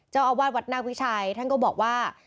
เจ้าอาวาสวัดนาควิชัยท่านก็บอกว่า